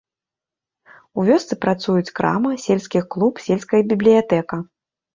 У вёсцы працуюць крама, сельскі клуб, сельская бібліятэка.